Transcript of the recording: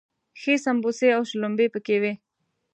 ښې سمبوسې او شلومبې پکې وي.